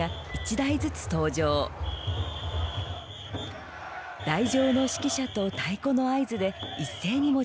台上の指揮者と太鼓の合図で一斉に持ち上げます。